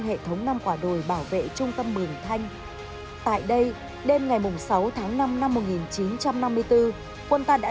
hệ thống năm quả đồi bảo vệ trung tâm mường thanh tại đây đêm ngày sáu tháng năm năm một nghìn chín trăm năm mươi bốn quân ta đã